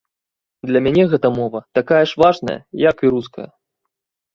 Для мяне гэтая мова такая ж важная, як і руская.